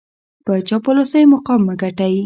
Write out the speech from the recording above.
په چاپلوسۍ مقام مه ګټئ.